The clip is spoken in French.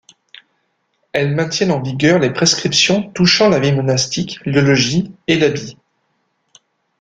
Elles maintiennent en vigueur les prescriptions touchant la vie monastique, le logis et l’habit.